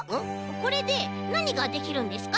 これでなにができるんですか？